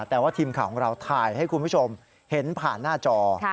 แต่ว่าทีมข่าวของเราถ่ายให้คุณผู้ชมเห็นผ่านหน้าจอ